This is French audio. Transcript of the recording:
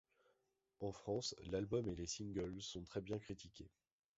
En France, l'album et les singles sont très bien critiqués.